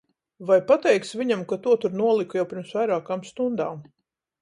Vai pateiksi viņam, ka to tur noliku jau pirms vairākām stundām?